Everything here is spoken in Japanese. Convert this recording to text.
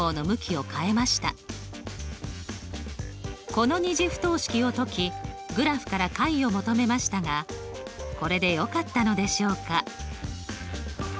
この２次不等式を解きグラフから解を求めましたがこれでよかったのでしょうか？